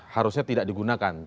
harusnya tidak digunakan